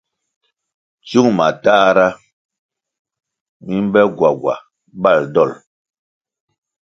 Tsyung bigya matahra mi mbe gwagwa bal dol.